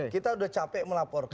kita sudah capek melaporkan